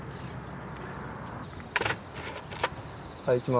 はい。